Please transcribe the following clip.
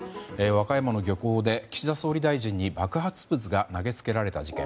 和歌山の漁港で岸田総理大臣に爆発物が投げつけられた事件。